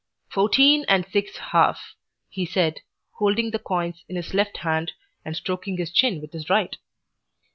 "Fourteen and six half," he said, holding the coins in his left hand and stroking his chin with his right.